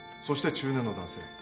そして中年の男性。